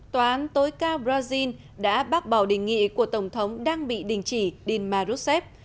tòa án tối cao brazil đã bác bảo đình nghị của tổng thống đang bị đình chỉ dilma rousseff